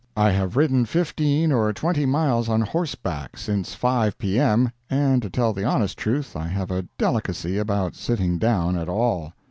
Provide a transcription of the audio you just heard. I have ridden fifteen or twenty miles on horseback since 5 P.M., and to tell the honest truth, I have a delicacy about sitting down at all.